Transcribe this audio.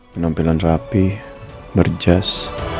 penampilan rapi berjas